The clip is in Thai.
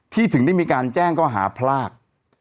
ที่ถึงได้มีการแจ้งก็หาพลาก